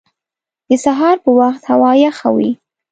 د سهار په وخت هوا یخه وي